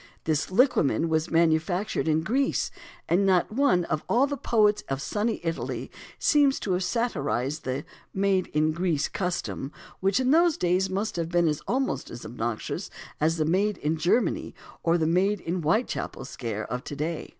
This liquamen was manufactured in Greece, and not one of all the poets of sunny Italy seems to have satirised the "made in Greece" custom, which in those days must have been almost as obnoxious as the "made in Germany" or the "made in Whitechapel" scare of to day.